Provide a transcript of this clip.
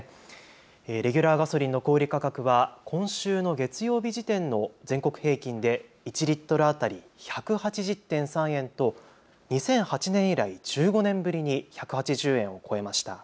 レギュラーガソリンの小売価格は今週の月曜日時点の全国平均で１リットル当たり１８０．３円と２００８年以来１５年ぶりに１８０円を超えました。